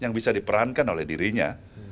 yang bisa diperankan oleh dirinya